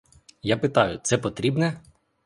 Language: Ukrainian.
Я питаю — це потрібне?